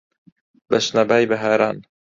بە شنەبای بەهاران